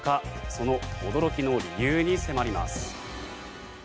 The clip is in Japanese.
その驚きの理由に迫ります。